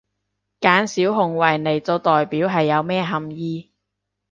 揀小熊維尼做代表係有咩含意？